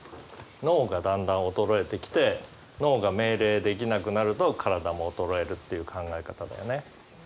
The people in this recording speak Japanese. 脳がだんだん衰えてきて脳が命令できなくなると体も衰えるっていう考え方だよね。